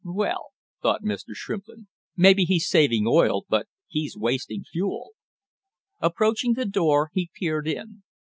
"Well," thought Mr. Shrimplin, "maybe he's saving oil, but he's wasting fuel." Approaching the door he peered in.